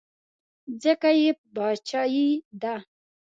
ځکه یې باچایي ده.